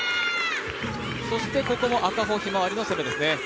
そして、ここも赤穂ひまわりの攻めですね。